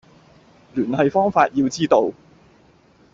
聯繫方法要知道